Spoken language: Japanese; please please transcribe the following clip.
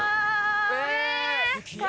・え！